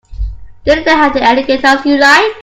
Didn't they have any guitars you liked?